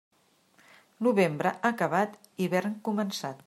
Novembre acabat, hivern començat.